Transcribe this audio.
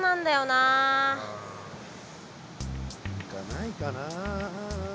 何かないかな。